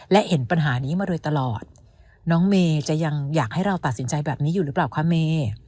และเห็นปัญหานี้มาโดยตลอดน้องเมย์จะยังอยากให้เราตัดสินใจแบบนี้อยู่หรือเปล่าคะเม